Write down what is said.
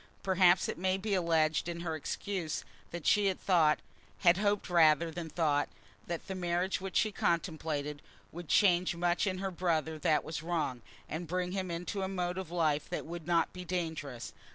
Perhaps it may be alleged in her excuse that she had thought, had hoped rather than thought, that the marriage which she contemplated would change much in her brother that was wrong, and bring him into a mode of life that would not be dangerous.